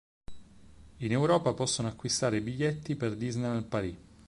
In Europa possono acquistare i biglietti per Disneyland Paris.